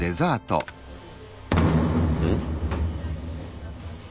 うん？